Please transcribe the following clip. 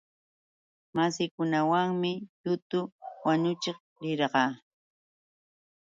Massikunawanmi yutu wañuchiq rirqaa.